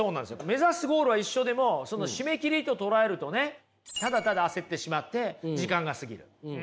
目指すゴールは一緒でもその締め切りと捉えるとねただただ焦ってしまって時間が過ぎる。